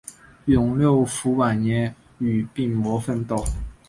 永六辅晚年与病魔奋斗。